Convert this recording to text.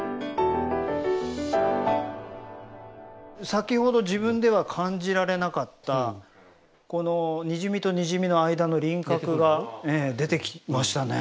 先ほど自分では感じられなかったこのにじみとにじみの間の輪郭がええ出てきましたね。